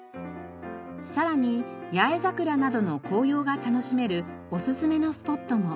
さらにヤエザクラなどの紅葉が楽しめるおすすめのスポットも。